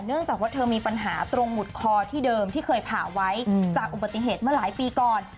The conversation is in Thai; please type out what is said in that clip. จากว่าเธอมีปัญหาตรงหุดคอที่เดิมที่เคยผ่าไว้จากอุบัติเหตุเมื่อหลายปีก่อน